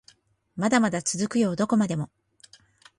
まだまだ続くよどこまでも